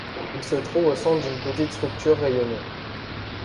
Il se trouve au centre d'une petite structure rayonnée.